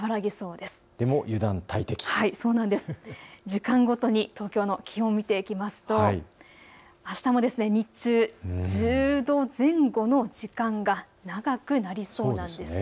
でも油断大敵、時間ごとに東京の気温を見ていきますとあしたも日中１０度前後の時間が長くなりそうです。